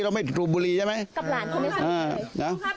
เราไม่ถูกบุรีใช่ไหมกับหลานเขาเนี้ยสนิทเลยอ่าครับ